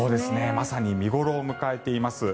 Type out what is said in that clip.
まさに見頃を迎えています。